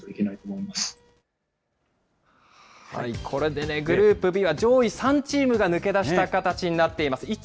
これで、グループＢは上位３チームが抜け出した形になっています。